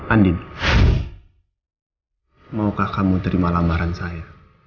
andin maukah kamu terima lamaran saya